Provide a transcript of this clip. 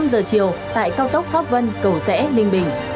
năm giờ chiều tại cao tốc pháp vân cầu rẽ ninh bình